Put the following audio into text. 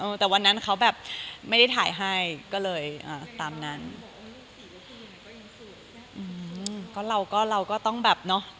แต่วันนั้นเขาแบบไม่ได้ถ่ายให้ก็เลยอ่าตามนั้นก็ยังสืบอืมก็เราก็เราก็ต้องแบบเนอะ